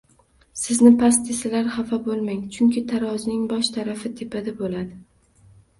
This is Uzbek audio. Sizni past desalar xafa boʻlmang, chunki tarozining boʻsh tarafi tepada boʻladi!